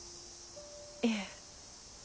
いえ。